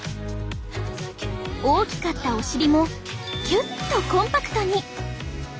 大きかったお尻もキュッとコンパクトに！